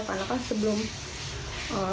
karena kan sebelum melakukan vaksin